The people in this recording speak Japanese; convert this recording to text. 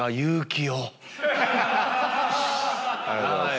ありがとうございます。